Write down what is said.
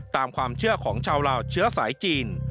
ตามความเชื่อของชาวลาวเชื้อสายจีน